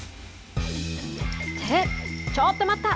って、ちょっと待った。